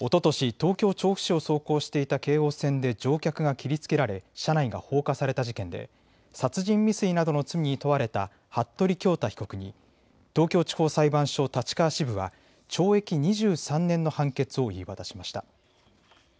東京調布市を走行していた京王線で乗客が切りつけられ車内が放火された事件で殺人未遂などの罪に問われた服部恭太被告に東京地方裁判所立川支部は懲役２３年の判決を言い渡しました。